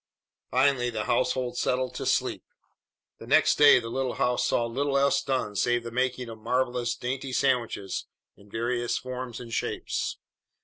Finally the household settled to sleep. The next day the little house saw little else done save the making of marvellous dainty sandwiches in various forms and shapes.